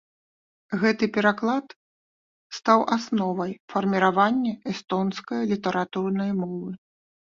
Гэты пераклад стаў асновай фарміравання эстонскае літаратурнай мовы.